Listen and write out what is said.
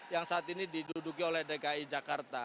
yang saat ini diduduki oleh dki jakarta